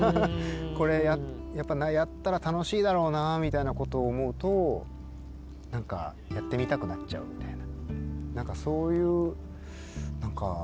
「これやったら楽しいだろうなぁ」みたいなことを思うと何かやってみたくなっちゃうみたいな。